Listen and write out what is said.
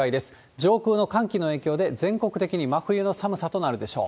上空の寒気の影響で、全国的に真冬の寒さとなるでしょう。